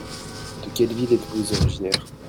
De quelle ville êtes-vous originaire ?